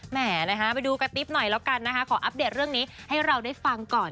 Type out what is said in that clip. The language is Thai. มาดูกระติบหน่อยขออัปเต็ดให้เพิ่มก่อน